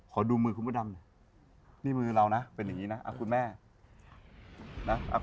ขอดูมือคุณพระดำ